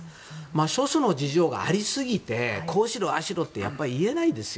諸所の事情がありすぎてこうしろああしろってやっぱり言えないですよ。